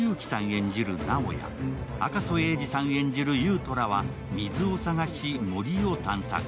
演じる直哉、赤楚衛二さん演じる優斗らは水を探し森を探索。